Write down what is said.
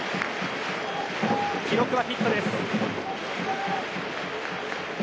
記録はヒットです。